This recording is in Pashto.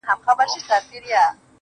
o څنگ ته چي زه درغــــلـم.